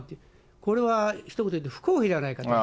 これはひと言でいうと不公平じゃないかと。